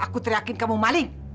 aku teriakin kamu maling